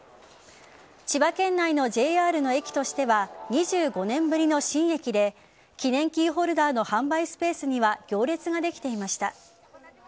千葉県内のＪＲの駅としては２５年ぶりの新駅で記念キーホルダーの販売スペースには行列ができていました。